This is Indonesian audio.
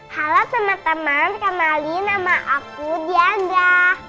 halo teman teman kenalin nama aku diandra